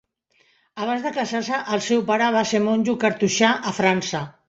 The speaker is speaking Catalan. Abans de casar-se, el seu pare va ser monjo cartoixà a França.